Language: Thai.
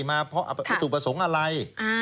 มาตุประสงค์อะไร